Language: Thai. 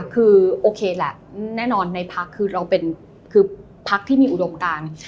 คือโอเคแหละแน่นอนในพักคือเราเป็นคือพักที่มีอุดมการ